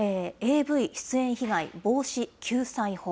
ＡＶ出演被害防止・救済法。